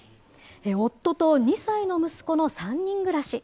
夫と２歳の息子の３人暮らし。